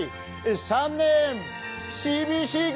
３年ＣＢＣ組！